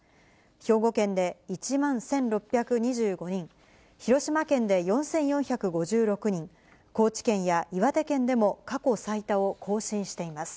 兵庫県で１万１６２５人、広島県で４４５６人、高知県や岩手県でも過去最多を更新しています。